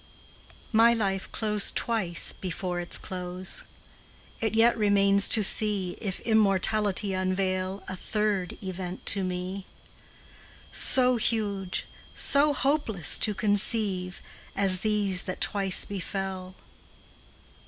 My life closed twice before its close; It yet remains to see If Immortality unveil A third event to me, So huge, so hopeless to conceive, As these that twice befell.